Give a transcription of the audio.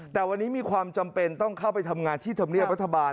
แต่วันนี้มีความจำเป็นต้องเข้าไปทำงานที่ธรรมเนียบรัฐบาล